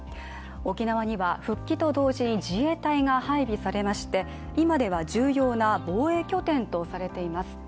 沖縄には復帰と同時に自衛隊が配備されまして、今では重要な防衛拠点とされています。